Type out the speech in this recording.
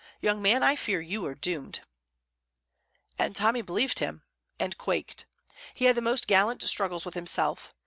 Young man, I fear you are doomed." And Tommy believed him, and quaked. He had the most gallant struggles with himself.